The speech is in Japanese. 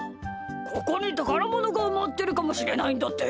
ここにたからものがうまってるかもしれないんだって。